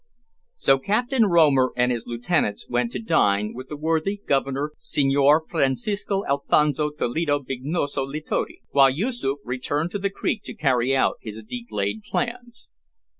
So Captain Romer and his lieutenants went to dine with the worthy Governor Senhor Francisco Alfonso Toledo Bignoso Letotti, while Yoosoof returned to the creek to carry out his deep laid plans.